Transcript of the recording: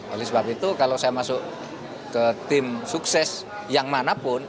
oleh sebab itu kalau saya masuk ke tim sukses yang manapun